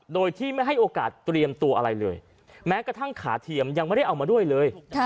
โดยที่ไม่ให้โอกาสเตรียมตัวอะไรเลยแม้กระทั่งขาเทียมยังไม่ได้เอามาด้วยเลย